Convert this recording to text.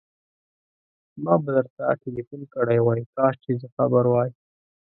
ما به درته ټليفون کړی وای، کاش چې زه خبر وای.